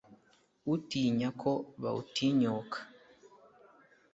utinya ko bawutinyuka